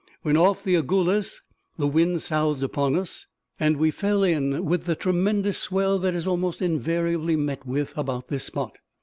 When off Agulhas the wind southed upon us, and we fell in with the tremendous swell that is almost invariably met with about this spot.